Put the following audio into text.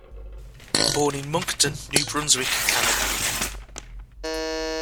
Born in Moncton, New Brunswick, Canada.